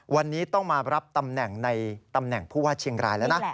วันนี้ต้องมารับตำแหน่งในตำแหน่งผู้ว่าเชียงรายแล้วนะ